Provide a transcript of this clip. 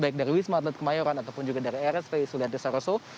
baik dari wisma atlet kemayoran ataupun juga dari rspi sulianti saroso